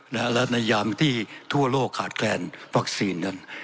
และในยามที่ทั่วโลกขาดแคลนวัคซีนนั้น